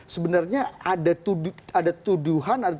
sebenarnya ada tuduhan